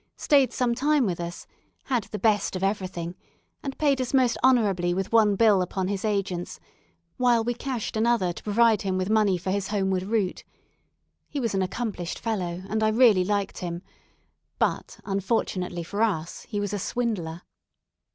stayed some time with us, had the best of everything, and paid us most honourably with one bill upon his agents, while we cashed another to provide him with money for his homeward route. He was an accomplished fellow, and I really liked him; but, unfortunately for us, he was a swindler.